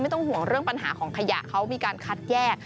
ต้องห่วงเรื่องปัญหาของขยะเขามีการคัดแยก